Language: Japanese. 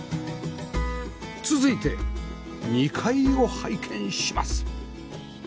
続いて２階を拝見します